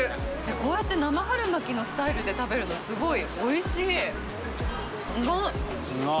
こうやって生春巻きのスタイルで食べるの、すごいおいしい！